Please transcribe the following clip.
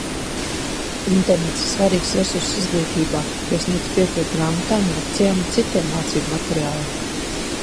Internets ir svarīgs resurss izglītībā, jo sniedz piekļuvi grāmatām, lekcijām un citiem mācību materiāliem.